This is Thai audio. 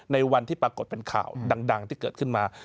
ในวันที่ปรากฏเป็นข่าวดังที่เกิดขึ้นมา